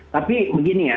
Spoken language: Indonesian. tapi begini ya